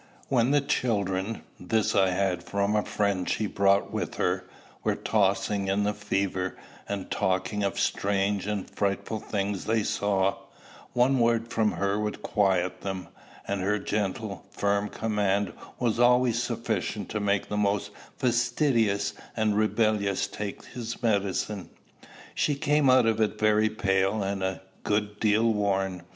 When the children this I had from the friend she brought with her were tossing in the fever, and talking of strange and frightful things they saw, one word from her would quiet them; and her gentle, firm command was always sufficient to make the most fastidious and rebellious take his medicine. She came out of it very pale, and a good deal worn.